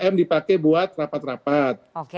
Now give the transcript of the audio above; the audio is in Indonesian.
tiga m dipakai buat rapat rapat